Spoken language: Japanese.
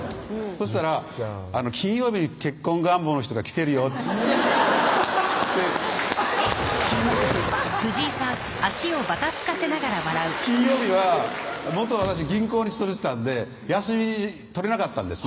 したら「金曜日に結婚願望の人が来てるよ」って金曜日は元私銀行に勤めてたんで休み取れなかったんですね